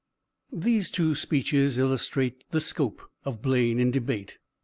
These two speeches illustrates the scope of Blaine in debate.